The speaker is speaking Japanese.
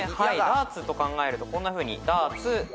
ダーツと考えるとこんなふうに。